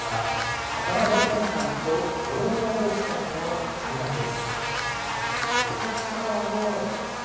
渡辺謙さんと養老孟司さんの対談です。